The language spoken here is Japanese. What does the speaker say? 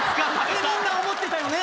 みんな思ってたよね